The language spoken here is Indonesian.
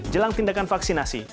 jelang tindakan vaksinasi